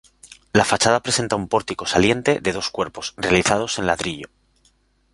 La fachada presenta un pórtico saliente, de dos cuerpos, realizados en ladrillo.